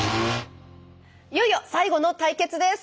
いよいよ最後の対決です！